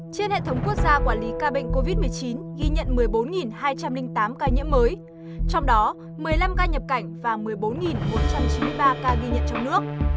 trên hệ thống quốc gia quản lý ca bệnh covid một mươi chín ghi nhận một mươi bốn hai trăm linh tám ca nhiễm mới trong đó một mươi năm ca nhập cảnh và một mươi bốn bốn trăm chín mươi ba ca ghi nhận trong nước